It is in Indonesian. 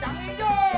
mbak be mau kemana